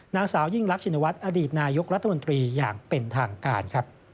นางสาวยิ่งรักชินวัฒน์อดีตนายกรัฐมนตรีอย่างเป็นทางการครับ